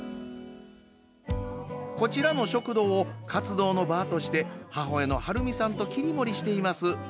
こちらの食堂を活動の場として母親の晴美さんと切り盛りしています。